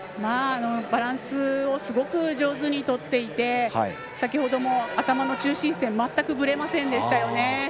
バランスをすごく上手にとっていて先ほども頭の中心線全くぶれませんでしたよね。